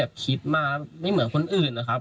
แต่ว่าวินนิสัยดุเสียงดังอะไรเป็นเรื่องปกติอยู่แล้วครับ